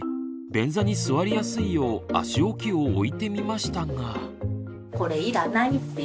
便座に座りやすいよう足置きを置いてみましたが。